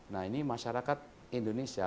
nah ini masyarakat indonesia